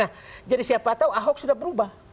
nah jadi siapa tahu ahok sudah berubah